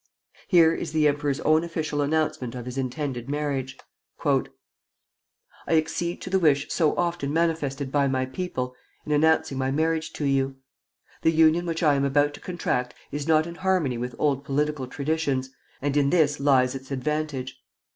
Here is the emperor's own official announcement of his intended marriage: "I accede to the wish so often manifested by my people in announcing my marriage to you. The union which I am about to contract is not in harmony with old political traditions, and in this lies its advantage.